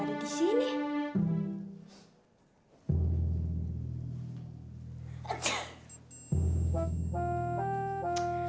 lo serang aja lo cabut